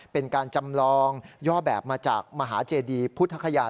เป็นการจำลองย่อแบบมาจากมหาเจดีพุทธคยา